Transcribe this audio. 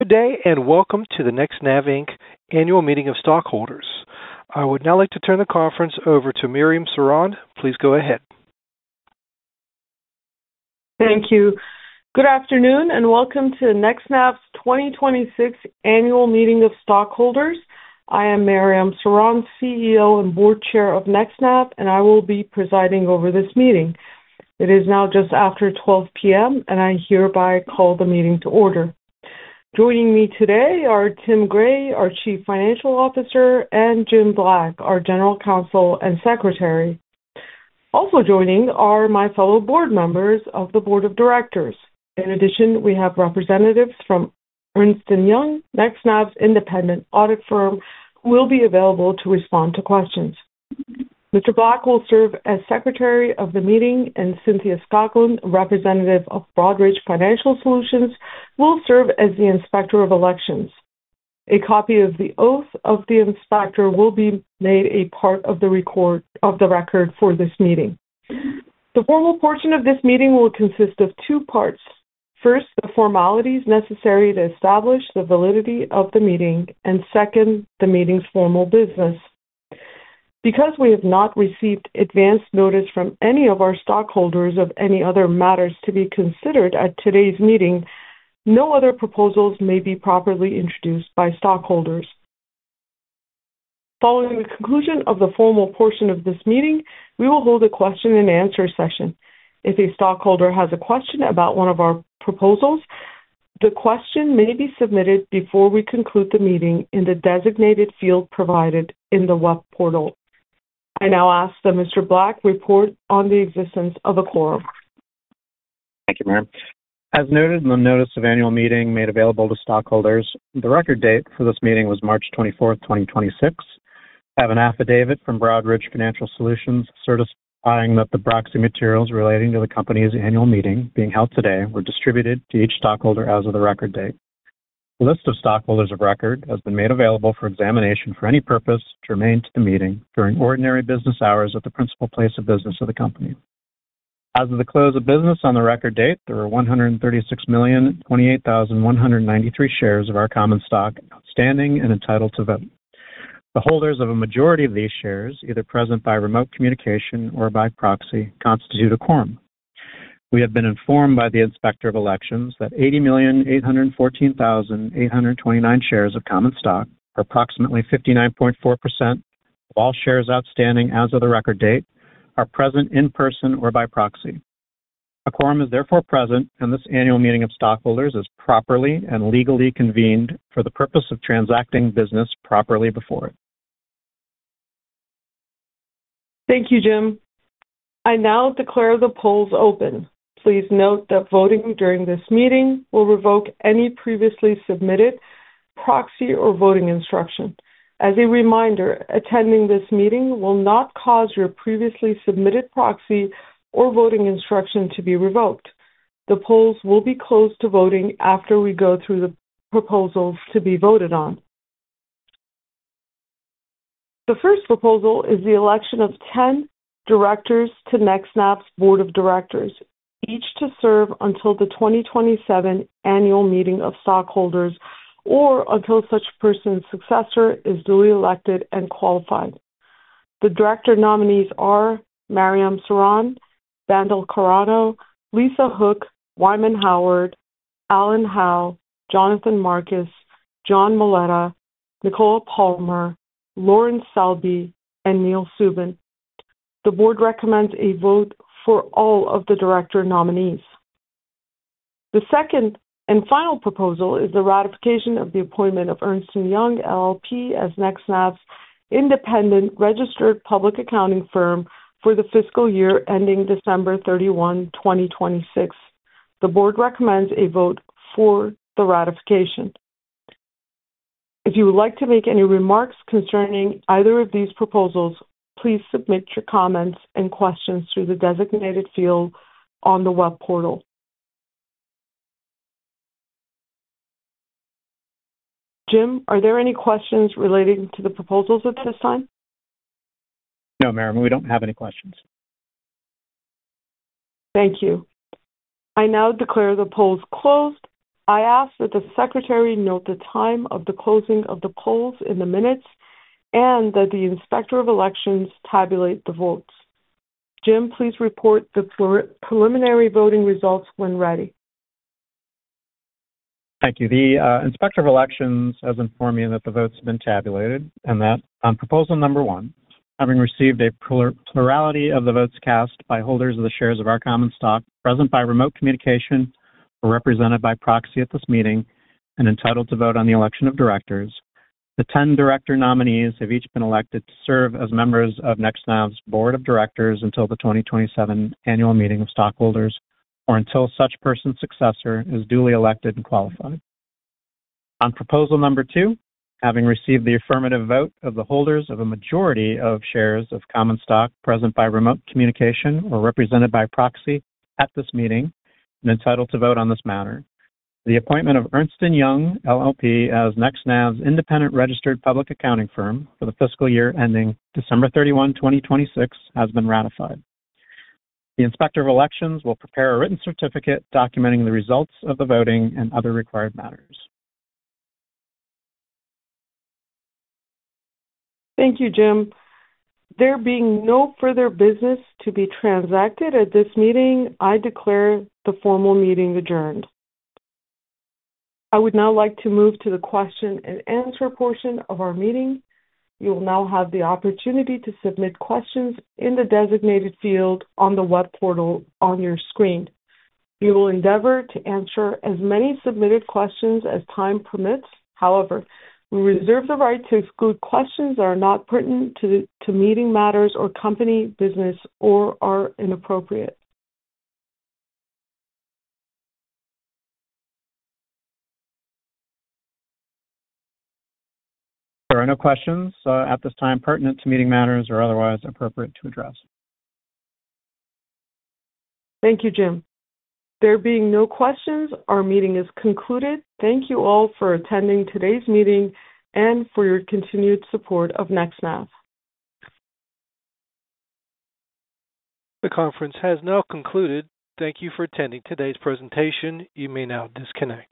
Good day. Welcome to the NextNav Inc. Annual Meeting of Stockholders. I would now like to turn the conference over to Mariam Sorond. Please go ahead. Thank you. Good afternoon, and welcome to NextNav's 2026 Annual Meeting of Stockholders. I am Mariam Sorond, Chief Executive Officer and Board Chair of NextNav, and I will be presiding over this meeting. It is now just after 12:00 A.M., and I hereby call the meeting to order. Joining me today are Tim Gray, our Chief Financial Officer, and Jim Black, our General Counsel and Secretary. Also joining are my fellow board members of the board of directors. In addition, we have representatives from Ernst & Young, NextNav's independent audit firm, who will be available to respond to questions. Mr. Black will serve as secretary of the meeting, and Cynthia Scotland, representative of Broadridge Financial Solutions, will serve as the inspector of elections. A copy of the oath of the inspector will be made a part of the record for this meeting. The formal portion of this meeting will consist of two parts. First, the formalities necessary to establish the validity of the meeting, and second, the meeting's formal business. Because we have not received advance notice from any of our stockholders of any other matters to be considered at today's meeting, no other proposals may be properly introduced by stockholders. Following the conclusion of the formal portion of this meeting, we will hold a question and answer session. If a stockholder has a question about 1 of our proposals, the question may be submitted before we conclude the meeting in the designated field provided in the web portal. I now ask that Mr. Black report on the existence of a quorum. Thank you, Mariam. As noted in the notice of Annual Meeting made available to stockholders, the record date for this meeting was March 24th, 2026. I have an affidavit from Broadridge Financial Solutions certifying that the proxy materials relating to the company's Annual Meeting being held today were distributed to each stockholder as of the record date. The list of stockholders of record has been made available for examination for any purpose germane to the meeting during ordinary business hours at the principal place of business of the company. As of the close of business on the record date, there were 136,028,193 shares of our common stock outstanding and entitled to vote. The holders of a majority of these shares, either present by remote communication or by proxy, constitute a quorum. We have been informed by the Inspector of Elections that 80,814,829 shares of common stock, or approximately 59.4% of all shares outstanding as of the record date, are present in person or by proxy. A quorum is therefore present, and this annual meeting of stockholders is properly and legally convened for the purpose of transacting business properly before it. Thank you, Jim. I now declare the polls open. Please note that voting during this meeting will revoke any previously submitted proxy or voting instruction. As a reminder, attending this meeting will not cause your previously submitted proxy or voting instruction to be revoked. The polls will be closed to voting after we go through the proposals to be voted on. The first proposal is the election of 10 directors to NextNav's board of directors, each to serve until the 2027 Annual Meeting of Stockholders or until such person's successor is duly elected and qualified. The director nominees are Mariam Sorond, Bandel L. Carano, Lisa Hook, Wyman Howard, Alan Howe, Jonathan Marcus, John Muleta, Nicola Palmer, Lorin Selby, and Neil Subin. The board recommends a vote for all of the director nominees. The second and final proposal is the ratification of the appointment of Ernst & Young LLP as NextNav's independent registered public accounting firm for the fiscal year ending December 31st, 2026. The board recommends a vote for the ratification. If you would like to make any remarks concerning either of these proposals, please submit your comments and questions through the designated field on the web portal. Jim, are there any questions relating to the proposals at this time? No, Mariam, we don't have any questions. Thank you. I now declare the polls closed. I ask that the secretary note the time of the closing of the polls in the minutes and that the Inspector of Elections tabulate the votes. Jim, please report the preliminary voting results when ready. Thank you. The Inspector of Elections has informed me that the votes have been tabulated and that on Proposal Number 1, having received a plurality of the votes cast by holders of the shares of our common stock present by remote communication or represented by proxy at this meeting and entitled to vote on the election of directors, the 10 director nominees have each been elected to serve as members of NextNav's board of directors until the 2027 Annual Meeting of Stockholders or until such person's successor is duly elected and qualified. On proposal number two, having received the affirmative vote of the holders of a majority of shares of common stock present by remote communication or represented by proxy at this meeting and entitled to vote on this matter, the appointment of Ernst & Young LLP as NextNav's independent registered public accounting firm for the fiscal year ending December 31st, 2026 has been ratified. The Inspector of Elections will prepare a written certificate documenting the results of the voting and other required matters. Thank you, Jim. There being no further business to be transacted at this meeting, I declare the formal meeting adjourned. I would now like to move to the question and answer portion of our meeting. You will now have the opportunity to submit questions in the designated field on the web portal on your screen. We will endeavor to answer as many submitted questions as time permits. However, we reserve the right to exclude questions that are not pertinent to meeting matters or company business or are inappropriate. There are no questions, at this time pertinent to meeting matters or otherwise appropriate to address. Thank you, Jim. There being no questions, our meeting is concluded. Thank you all for attending today's meeting and for your continued support of NextNav. The conference has now concluded. Thank you for attending today's presentation. You may now disconnect.